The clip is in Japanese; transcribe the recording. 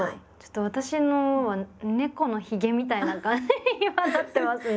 私のは猫のヒゲみたいな感じに今なってますね。